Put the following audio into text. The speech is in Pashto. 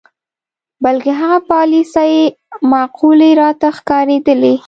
بلکې هغه پالیسۍ معقولې راته ښکارېدلې.